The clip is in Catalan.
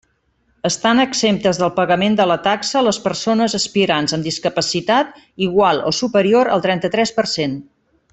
Estan exemptes del pagament de la taxa les persones aspirants amb discapacitat igual o superior al trenta-tres per cent.